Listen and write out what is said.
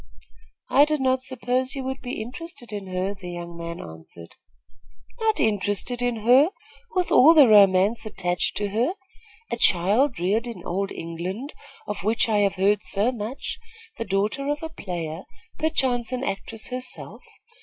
"I did not suppose you would be interested in her," the young man answered. "Not interested in her, with all the romance attached to her. A child reared in old England, of which I have heard so much, the daughter of a player, perchance an actress herself.